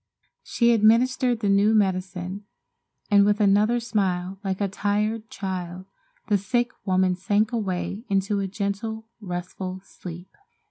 She administered the new medicine, and with another smile like a tired child the sick woman sank away into a gentle, restful sleep.